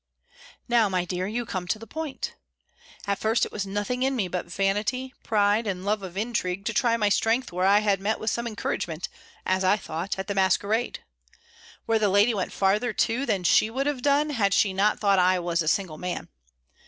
"Now, my dear, you come to the point: at first it was nothing in me but vanity, pride, and love of intrigue, to try my strength, where I had met with some encouragement, as I thought, at the masquerade; where the lady went farther, too, than she would have done, had she not thought I was a single man.